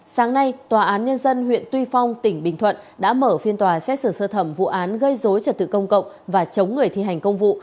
sáng nay tòa án nhân dân huyện tuy phong tỉnh bình thuận đã mở phiên tòa xét xử sơ thẩm vụ án gây dối trật tự công cộng và chống người thi hành công vụ